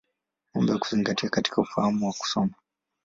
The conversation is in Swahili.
Mambo ya Kuzingatia katika Ufahamu wa Kusoma.